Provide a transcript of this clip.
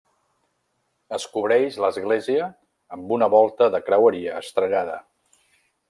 Es cobreix l'església amb una volta de creueria estrellada.